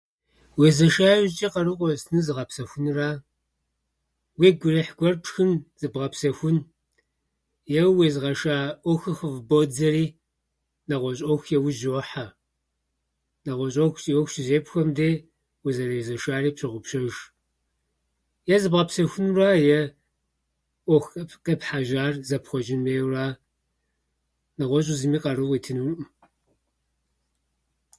Уезэша иужьчӏэ къару къозытыныр зыгъэпсэхуныра. Уигу ирихь гуэр пшхын, зыбгъэпсэхун е уезыгъэша ӏуэхур хыфӏыбодзэри нэгъуэщӏ ӏуэху иужь уохьэ. Нэгъуэщӏ ӏуэху и ӏуэху щызепхуэм дей узэрезэшари пщогъупщэж. Е зыбгъэпсэхунура, е ӏуэху къеп- къепхьэжьар зэпхъуэчӏын хуейуэра. Нэгъуэщӏым зыми къару къуитынуӏым.